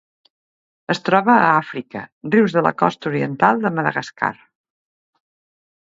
Es troba a Àfrica: rius de la costa oriental de Madagascar.